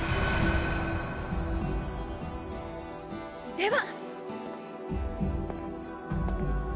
では！